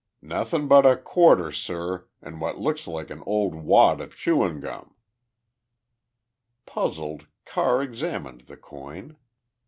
"Nothin' but a quarter, sir, an' what looks like an old wad o' chewin' gum." Puzzled, Carr examined the coin.